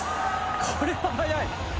これは速い！